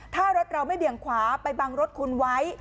ถ้ารถเราไม่เบี่ยงขวาไปบังรถคุณไว้